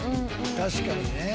確かにね。